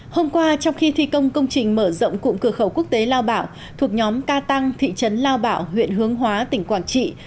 hôm qua trong khi thi công công trình mở rộng cụm cửa khẩu quốc tế lao bảo thuộc nhóm ca tăng thị trấn lao bảo huyện hướng hóa tỉnh quảng trị